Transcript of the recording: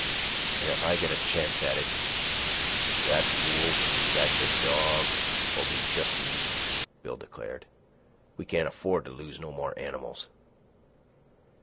"An if I get a chance at it, that wolf that's a dog'll be jes' meat," Bill declared. "We can't afford to lose no more animals."